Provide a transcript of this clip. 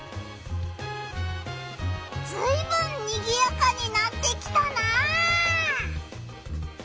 ずいぶんにぎやかになってきたな！